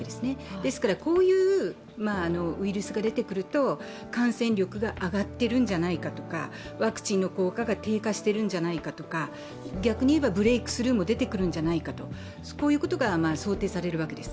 ですからこういうウイルスが出てくると感染力が上がってるんじゃないかとか、ワクチンの効果が低下しているんじゃないかとか、逆に言えばブレークスルーも出てくるんじゃないか、こういうことが想定されるわけです。